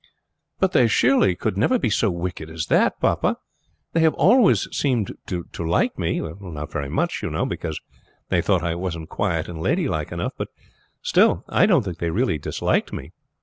"But they surely could never be so wicked as that, papa. They have always seemed to like me not very much, you know, because they thought I wasn't quiet and ladylike enough. Still I don't think they really disliked me."